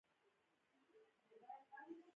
د افغانستان جهادي زعامت یې تقسیم کړ.